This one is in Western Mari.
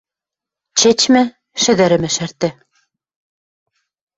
Чӹчмӹ — шӹдӹрӹмӹ шӹртӹ.